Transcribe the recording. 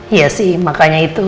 iya sih makanya itu